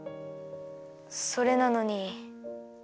それなのに。